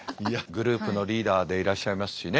グループのリーダーでいらっしゃいますしね。